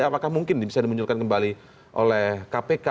apakah mungkin bisa dimunculkan kembali oleh kpk